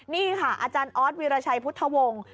นี่ค่ะอาจารย์ออสวีรชัยพุทธวงศ์